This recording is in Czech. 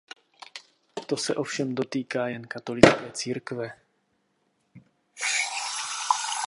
To se ovšem dotýká jen katolické církve.